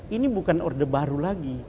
ini bukan orde baru lagi